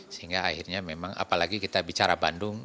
sehingga akhirnya memang apalagi kita bicara bandung